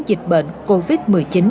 dịch bệnh covid một mươi chín